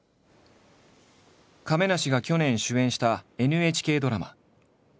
亀梨が去年主演したＮＨＫドラマ。